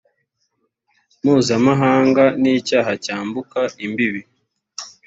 mpuzamahanga n icyaha cyambuka imbibi